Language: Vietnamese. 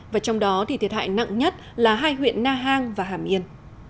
và trong đó thì thiệt hại nặng nhất là hai huyện na hàng và hàm yên